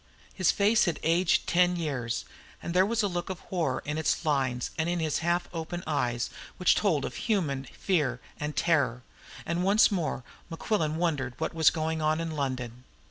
His face had aged by ten years, and there was a look of horror in its lines and in his half open eyes which told of human fear and terror. And once more Mequillen wondered what was going on in London.